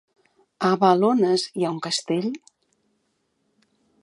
A Balones hi ha un castell?